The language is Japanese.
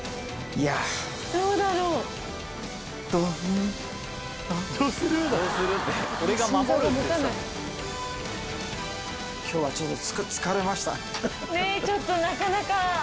どうだろう？ねぇちょっとなかなか。